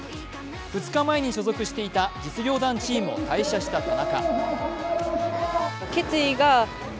２日前に所属していた実業団チームを退社した田中。